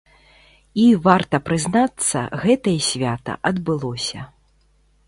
І, варта прызнацца, гэтае свята адбылося.